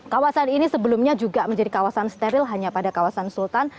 kawasan ini sebelumnya juga menjadi kawasan steril hanya pada kawasan sultan